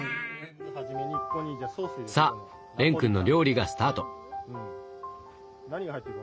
さあ蓮くんの料理がスタート！